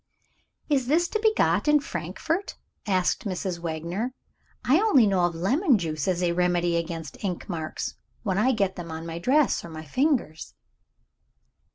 "Is this to be got in Frankfort?" asked Mrs. Wagner. "I only know lemon juice as a remedy against ink marks, when I get them on my dress or my fingers."